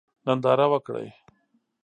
ننداره وکړئ.